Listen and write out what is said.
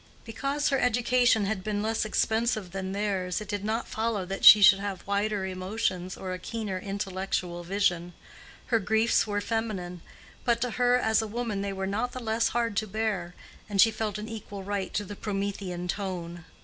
Because her education had been less expensive than theirs, it did not follow that she should have wider emotions or a keener intellectual vision. Her griefs were feminine; but to her as a woman they were not the less hard to bear, and she felt an equal right to the Promethean tone.